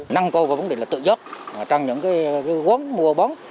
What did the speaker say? năng cơ của vấn đề là tự giết trăng những cái quấn mua bóng